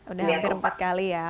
udah hampir empat kali ya